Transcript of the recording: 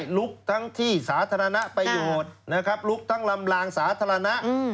ลุกทั้งที่สาธารณะประโยชน์นะครับลุกทั้งลำลางสาธารณะ